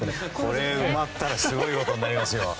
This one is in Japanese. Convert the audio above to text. これ、埋まったらすごいことになりますよ。